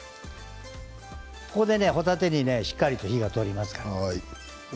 ここで、ほたてにしっかりと火が通りますから。